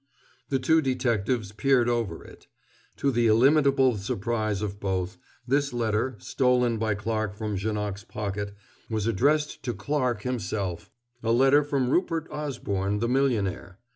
The two detectives peered over it. To the illimitable surprise of both, this letter, stolen by Clarke from Janoc's pocket, was addressed to Clarke himself a letter from Rupert Osborne, the millionaire.